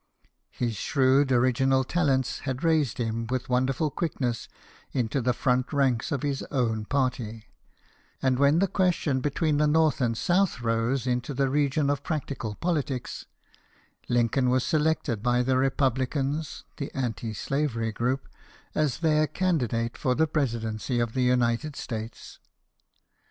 His shrewd original talents had raised him with wonderful quickness into the front ranks of his own party ; and when the question between the North and South rose into the region of practical politics, Lincoln was selected by the republicans (the anti slavery group) as their candidate for the Presi dency of the United States.